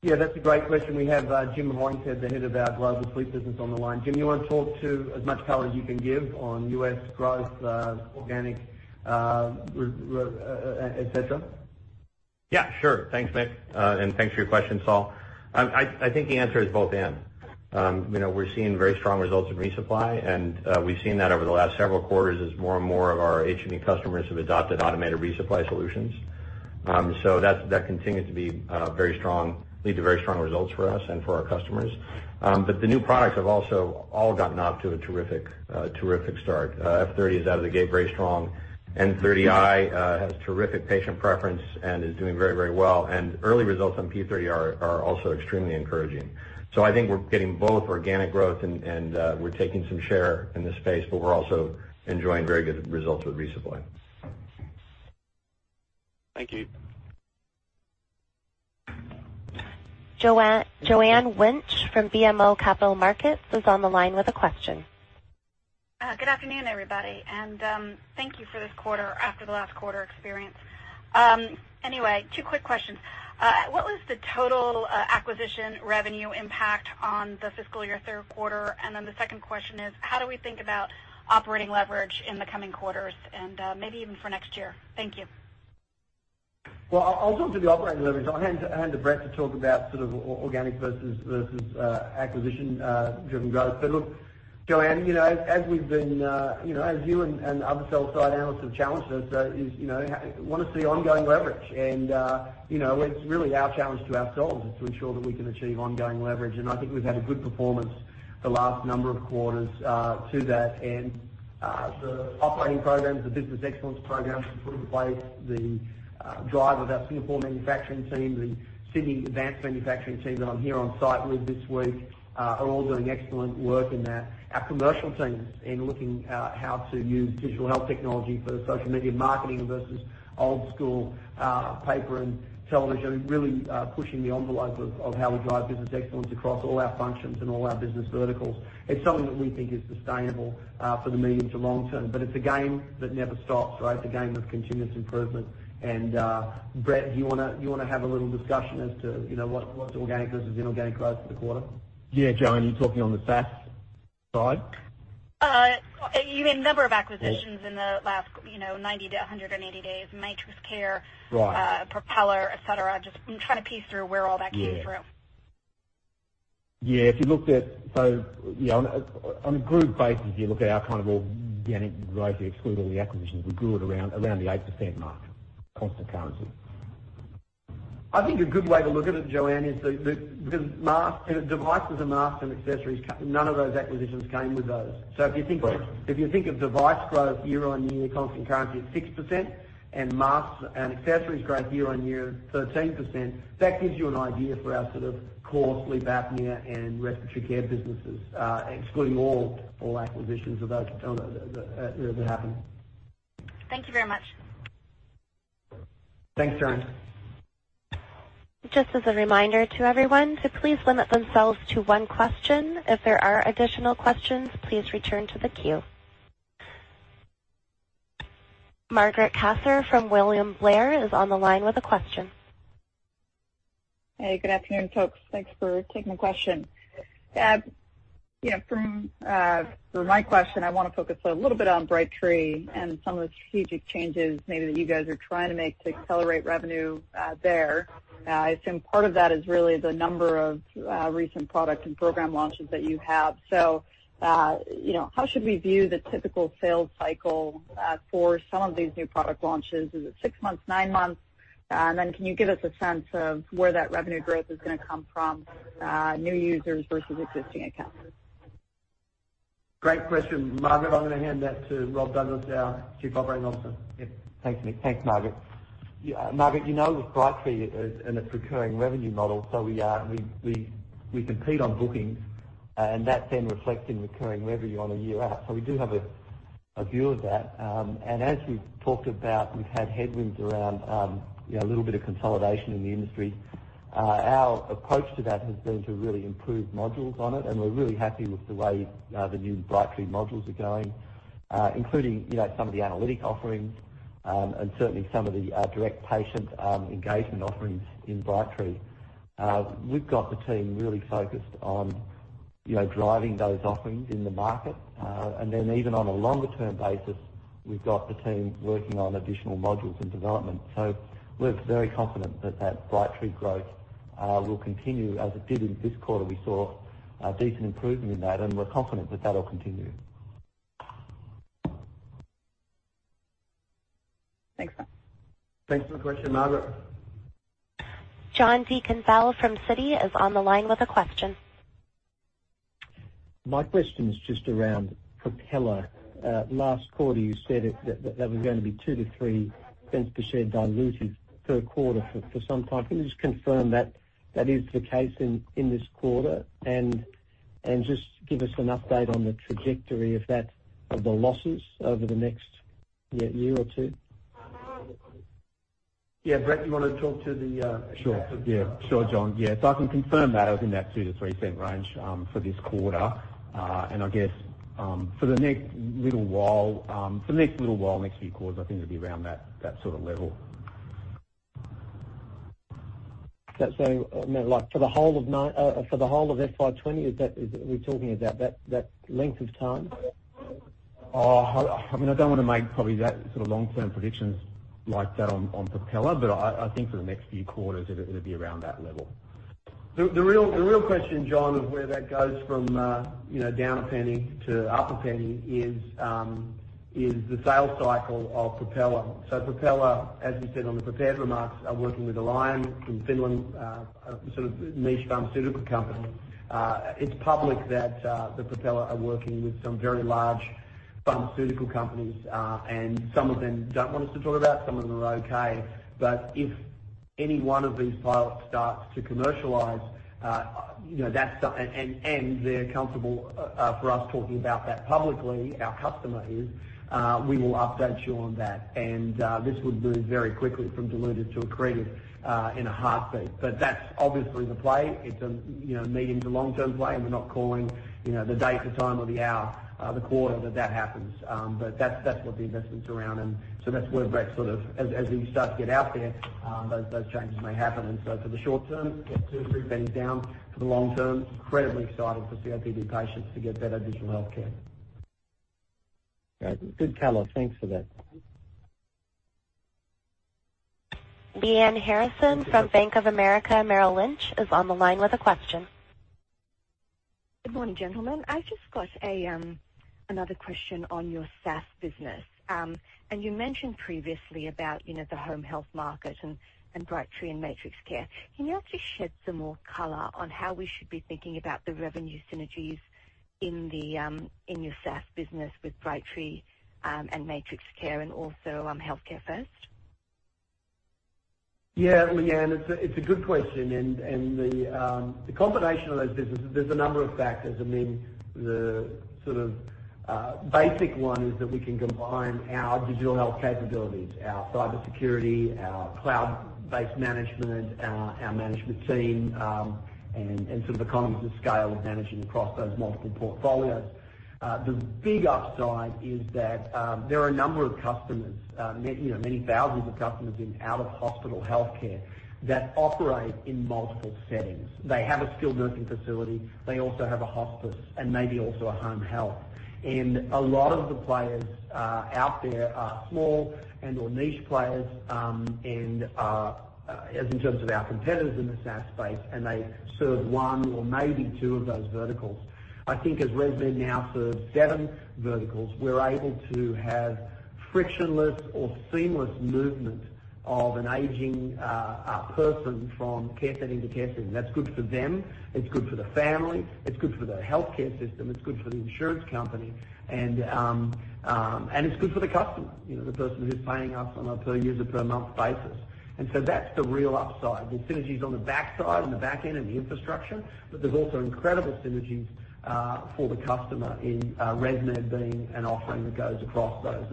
Yeah, that's a great question. We have Jim Millington, the head of our global sleep business, on the line. Jim, you want to talk to as much color as you can give on U.S. growth, organic, et cetera? Sure. Thanks, Mick. Thanks for your question, Saul. I think the answer is both and. We're seeing very strong results in resupply, and we've seen that over the last several quarters as more and more of our HME customers have adopted automated resupply solutions. That continues to lead to very strong results for us and for our customers. The new products have also all gotten off to a terrific start. F30 is out of the gate very strong. N30i has terrific patient preference and is doing very well. Early results on P30 are also extremely encouraging. I think we're getting both organic growth and we're taking some share in this space, but we're also enjoying very good results with resupply. Thank you. Joanne Wuensch from BMO Capital Markets is on the line with a question. Good afternoon, everybody. Thank you for this quarter after the last quarter experience. Anyway, two quick questions. What was the total acquisition revenue impact on the fiscal year third quarter? The second question is, how do we think about operating leverage in the coming quarters and maybe even for next year? Thank you. Well, I'll talk to the operating leverage. I'll hand to Brett to talk about organic versus acquisition-driven growth. Look, Joanne, as you and other sell-side analysts have challenged us, want to see ongoing leverage. It's really our challenge to ourselves is to ensure that we can achieve ongoing leverage. I think we've had a good performance the last number of quarters to that. The operating programs, the business excellence programs we've put in place, the drive of our Singapore manufacturing team, the Sydney advanced manufacturing team that I'm here on site with this week, are all doing excellent work in that. Our commercial teams in looking at how to use digital health technology for social media marketing versus old school paper and television, really pushing the envelope of how we drive business excellence across all our functions and all our business verticals. It's something that we think is sustainable for the medium to long term. It's a game that never stops, right? It's a game of continuous improvement. Brett, do you want to have a little discussion as to what's organic versus inorganic growth for the quarter? Yeah, Joanne, you're talking on the SaaS side? You had a number of acquisitions in the last 90 to 180 days, MatrixCare- Right. Propeller, et cetera. Just I'm trying to piece through where all that came through. Yeah. On a group basis, you look at our kind of organic growth, you exclude all the acquisitions, we grew it around the 8% mark, constant currency. I think a good way to look at it, Joanne, is because devices and masks and accessories, none of those acquisitions came with those. Right. If you think of device growth year-over-year constant currency at 6% and masks and accessories growth year-over-year at 13%, that gives you an idea for our sort of core sleep apnea and respiratory care businesses, excluding all acquisitions that happened. Thank you very much. Thanks, Joanne. Just as a reminder to everyone to please limit themselves to one question. If there are additional questions, please return to the queue. Margaret Kaczor from William Blair is on the line with a question. Hey, good afternoon, folks. Thanks for taking the question. For my question, I want to focus a little bit on Brightree and some of the strategic changes maybe that you guys are trying to make to accelerate revenue there. I assume part of that is really the number of recent product and program launches that you have. How should we view the typical sales cycle for some of these new product launches? Is it six months, nine months? Can you give us a sense of where that revenue growth is going to come from, new users versus existing accounts? Great question, Margaret. I'm going to hand that to Rob Douglas, our Chief Operating Officer. Yeah. Thanks, Mick. Thanks, Margaret. Margaret, you know with Brightree and its recurring revenue model, we compete on bookings, and that's then reflected in recurring revenue on a year out. We do have a view of that. As we've talked about, we've had headwinds around a little bit of consolidation in the industry. Our approach to that has been to really improve modules on it, and we're really happy with the way the new Brightree modules are going, including some of the analytic offerings, certainly some of the direct patient engagement offerings in Brightree. We've got the team really focused on driving those offerings in the market. Even on a longer-term basis, we've got the team working on additional modules and development. We're very confident that that Brightree growth will continue as it did in this quarter. We saw a decent improvement in that, we're confident that that'll continue. Thanks, Rob. Thanks for the question, Margaret. John Deakin-Bell from Citi is on the line with a question. My question is just around Propeller. Last quarter, you said that that was going to be $0.02-$0.03 per share dilutive per quarter for some time. Can you just confirm that is the case in this quarter? Just give us an update on the trajectory of the losses over the next year or two? Yeah. Brett, do you want to talk? Sure. Yeah. Sure, John. Yeah. I can confirm that it was in that $0.02-$0.03 range for this quarter. I guess, for the next little while, next few quarters, I think it'll be around that sort of level. For the whole of FY 2020, are we talking about that length of time? I don't want to make probably that sort of long-term predictions like that on Propeller, but I think for the next few quarters, it'll be around that level. The real question, John, of where that goes from down $0.01 to up $0.01 is the sales cycle of Propeller. Propeller, as we said on the prepared remarks, are working with Orion in Finland, a sort of niche pharmaceutical company. It's public that Propeller are working with some very large pharmaceutical companies, and some of them don't want us to talk about, some of them are okay. If any one of these pilots starts to commercialize, and they're comfortable for us talking about that publicly, our customer is, we will update you on that. This would move very quickly from dilutive to accretive in a heartbeat. That's obviously the play. It's a medium to long-term play, and we're not calling the date, the time or the hour, the quarter that that happens. That's what the investment's around. That's where Brett sort of, as we start to get out there, those changes may happen. For the short term, $0.02 or $0.03 down. For the long term, incredibly exciting for COPD patients to get better digital healthcare. Good color. Thanks for that. Lyanne Harrison from Bank of America Merrill Lynch is on the line with a question. Good morning, gentlemen. I've just got another question on your SaaS business. You mentioned previously about the home health market and Brightree and MatrixCare. Can you help to shed some more color on how we should be thinking about the revenue synergies in your SaaS business with Brightree and MatrixCare, and also HEALTHCAREfirst? Yeah, Lyanne, it's a good question. The combination of those businesses, there's a number of factors. The sort of basic one is that we can combine our digital health capabilities, our cybersecurity, our cloud-based management, our management team, and sort of economies of scale of managing across those multiple portfolios. The big upside is that there are a number of customers, many thousands of customers in out-of-hospital healthcare that operate in multiple settings. They have a skilled nursing facility, they also have a hospice, and maybe also a home health. A lot of the players out there are small and/or niche players in terms of our competitors in the SaaS space, and they serve one or maybe two of those verticals. I think as ResMed now serves seven verticals, we're able to have frictionless or seamless movement of an aging person from care setting to care setting. That's good for them, it's good for the family, it's good for the healthcare system, it's good for the insurance company, and it's good for the customer, the person who's paying us on a per user, per month basis. That's the real upside. There's synergies on the back side, on the back end and the infrastructure, but there's also incredible synergies for the customer in ResMed being an offering that goes across those.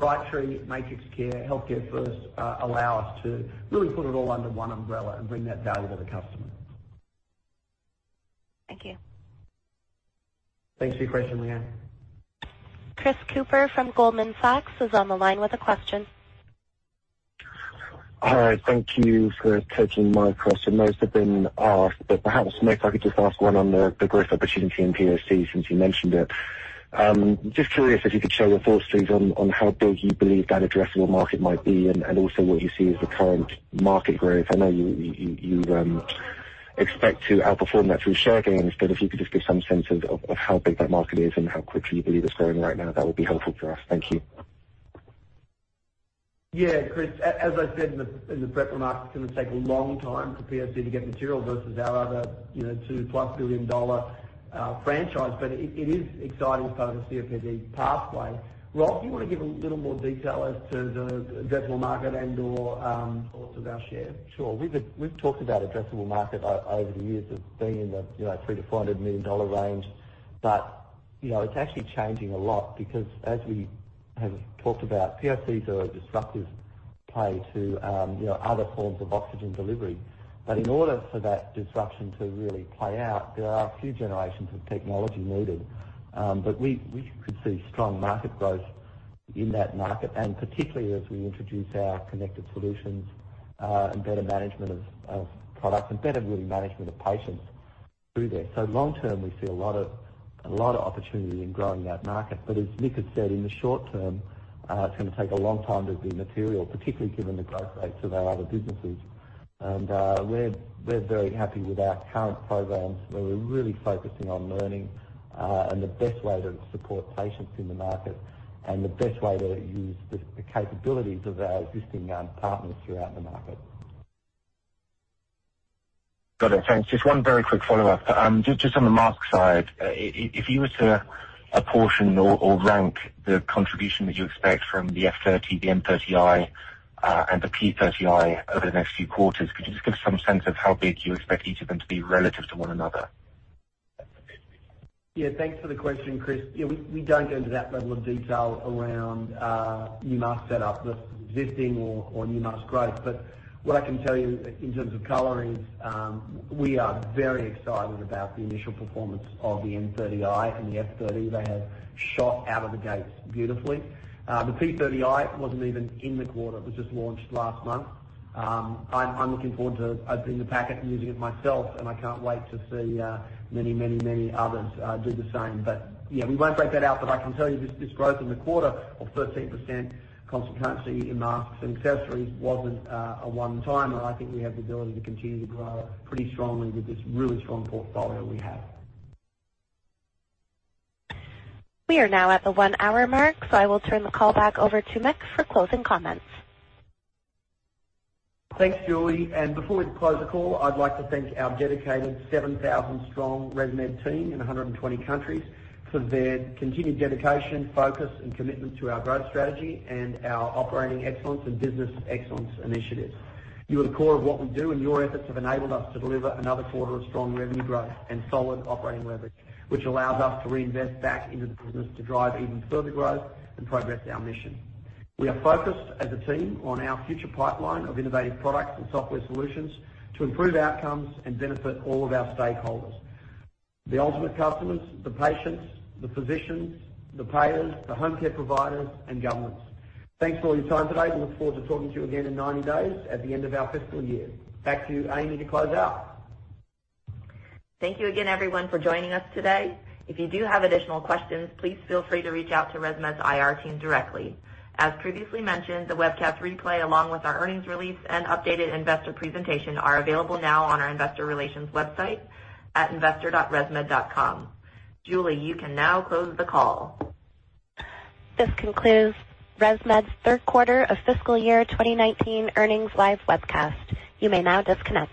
Brightree, MatrixCare, HEALTHCAREfirst allow us to really put it all under one umbrella and bring that value to the customer. Thank you. Thanks for your question, Lyanne. Chris Cooper from Goldman Sachs is on the line with a question. Hi, thank you for taking my question. Most have been asked, perhaps, Mick, if I could just ask one on the growth opportunity in POC since you mentioned it. Just curious if you could share your thoughts please, on how big you believe that addressable market might be, and also what you see as the current market growth. I know you expect to outperform that through share gain. If you could just give some sense of how big that market is and how quickly you believe it's growing right now, that would be helpful for us. Thank you. Yeah, Chris, as I said in the prep remarks, it's going to take a long time for POC to get material versus our other $2 plus billion-dollar franchise. It is exciting as part of the COPD pathway. Rob, do you want to give a little more detail as to the addressable market and/or thoughts of our share? Sure. We've talked about addressable market over the years of being in the $3 million-$500 million range. It's actually changing a lot because as we have talked about, POCs are a disruptive play to other forms of oxygen delivery. In order for that disruption to really play out, there are a few generations of technology needed. We could see strong market growth in that market, and particularly as we introduce our connected solutions, and better management of products, and better risk management of patients through there. Long term, we see a lot of opportunity in growing that market. As Mick has said, in the short term, it's going to take a long time to be material, particularly given the growth rates of our other businesses. We're very happy with our current programs, where we're really focusing on learning and the best way to support patients in the market and the best way to use the capabilities of our existing partners throughout the market. Got it. Thanks. Just one very quick follow-up. Just on the mask side, if you were to apportion or rank the contribution that you expect from the F30, the N30i, and the P30i over the next few quarters, could you just give some sense of how big you expect each of them to be relative to one another? Yeah, thanks for the question, Chris. Yeah, we don't go into that level of detail around new mask set up versus existing or new mask growth. What I can tell you in terms of color is, we are very excited about the initial performance of the N30i and the F30. They have shot out of the gates beautifully. The P30i wasn't even in the quarter. It was just launched last month. I'm looking forward to opening the packet and using it myself, and I can't wait to see many others do the same. Yeah, we won't break that out, but I can tell you this growth in the quarter of 13% constantly in masks and accessories wasn't a one-timer. I think we have the ability to continue to grow pretty strongly with this really strong portfolio we have. We are now at the one-hour mark. I will turn the call back over to Mick for closing comments. Thanks, Julie. Before we close the call, I'd like to thank our dedicated 7,000-strong ResMed team in 120 countries for their continued dedication, focus, and commitment to our growth strategy and our operating excellence and business excellence initiatives. You are the core of what we do, and your efforts have enabled us to deliver another quarter of strong revenue growth and solid operating leverage, which allows us to reinvest back into the business to drive even further growth and progress our mission. We are focused as a team on our future pipeline of innovative products and software solutions to improve outcomes and benefit all of our stakeholders, the ultimate customers, the patients, the physicians, the payers, the home care providers, and governments. Thanks for all your time today. We look forward to talking to you again in 90 days at the end of our fiscal year. Back to you, Amy, to close out. Thank you again, everyone, for joining us today. If you do have additional questions, please feel free to reach out to ResMed's IR team directly. As previously mentioned, the webcast replay, along with our earnings release and updated investor presentation, are available now on our investor relations website at investor.resmed.com. Julie, you can now close the call. This concludes ResMed's third quarter of fiscal year 2019 earnings live webcast. You may now disconnect.